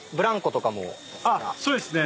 そうですね。